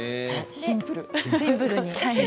シンプル。